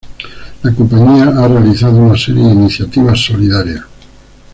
La compañía ha realizado una serie de iniciativas solidarias.